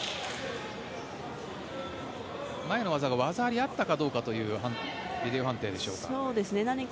前の技が技ありがあったかというビデオ判定でしょうか。